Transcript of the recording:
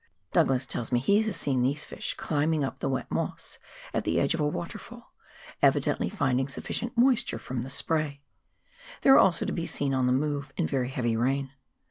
Douglas tells me he has seen these fish climbing up the wet moss at the edge of a waterfall, evidently finding sufficient moisture from the spray ; they are also to be seen on the move in very heavy rain.